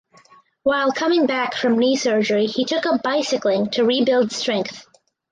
While coming back from knee surgery he took up bicycling to rebuild strength.